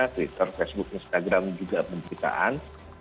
twitter facebook instagram juga pemberitaan